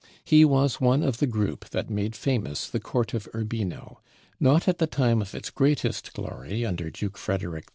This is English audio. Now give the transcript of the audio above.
He was one of the group that made famous the court of Urbino, not at the time of its greatest glory under Duke Frederic II.